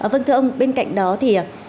vâng thưa ông bên cạnh đó thì